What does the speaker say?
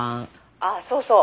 「ああそうそう。